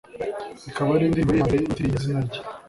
ikaba ari indirimbo ye ya mbere yitiriye izina rye